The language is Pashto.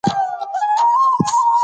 کعبه په منځ کې د مکعب په شکل ودانۍ ده.